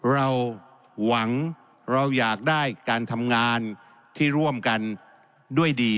เราหวังเราอยากได้การทำงานที่ร่วมกันด้วยดี